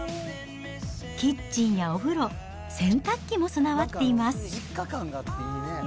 キッチンやお風呂、洗濯機も備わっています。